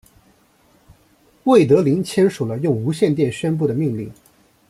魏德林签署了用无线电宣布的命令。